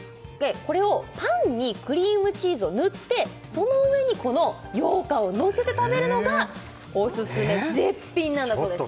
これをパンにクリームチーズを塗ってその上にこの羊羹をのせて食べるのがオススメ絶品なんだそうです